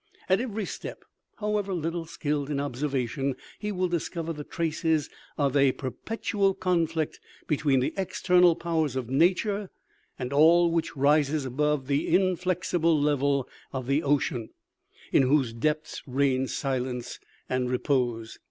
At every step, however little skilled in observation, he will discover the traces of a per petual conflict between the external powers of nature and all which rises above the inflexible level of the ocean, in whose depths reign silence and repose.